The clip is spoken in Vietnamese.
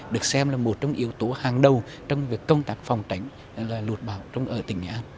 được xem là một trong yếu tố hàng đầu trong việc công tác phòng tránh lụt bão ở tỉnh nghệ an